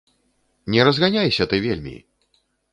Не разганяйся ты вельмі!